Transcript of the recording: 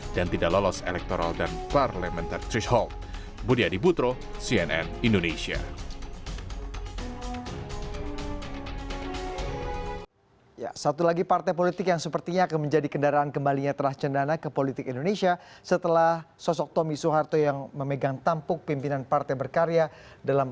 dan tidak lolos elektoral dan parlementar trish hall